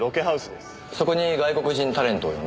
そこに外国人タレントを呼んで？